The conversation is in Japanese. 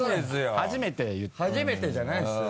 初めてじゃないですよ。